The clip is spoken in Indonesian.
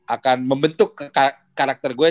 akan membentuk karakter gue